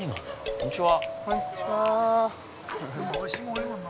こんにちは。